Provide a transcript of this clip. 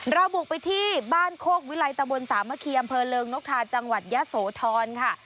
เราบุกไปที่บ้านโคกวิลัยตะบนสามะคีอำเภอเริงนกทาจังหวัดยะโสธรค่ะ